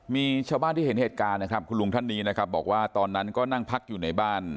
มีชาวบ้านที่เห็นเหตุการณ์นะครับคุณลุงท่านนี้นะครับบอกว่าตอนนั้นก็นั่งพักอยู่ในบ้าน